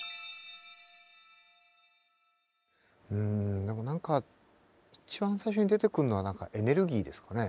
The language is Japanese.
うん何か一番最初に出てくるのは何かエネルギーですかね。